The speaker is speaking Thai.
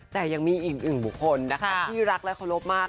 แต่ยังมีอีกหนึ่งบุคคลนะคะที่รักและเคารพมาก